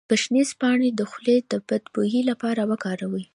د ګشنیز پاڼې د خولې د بد بوی لپاره وکاروئ